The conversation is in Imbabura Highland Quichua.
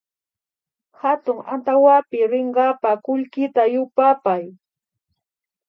Hatun antawapi rinkapa kullkita yupapay